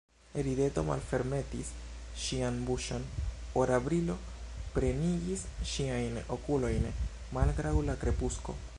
Rideto malfermetis ŝian buŝon, ora brilo plenigis ŝiajn okulojn, malgraŭ la krepusko.